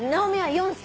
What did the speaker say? ４歳！